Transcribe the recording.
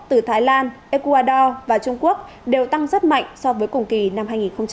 từ thái lan ecuador và trung quốc đều tăng rất mạnh so với cùng kỳ năm hai nghìn một mươi chín